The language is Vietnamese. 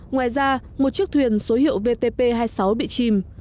ngoài ra một chiếc thuyền số hiệu vtp hai mươi sáu bị chìm